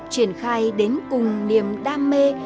triển khai đến cùng niềm đam mê